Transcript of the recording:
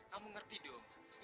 kamu ngerti dong